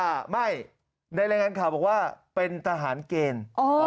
ไม่ในรายงานข่าวบอกว่าเป็นทหารเกณฑ์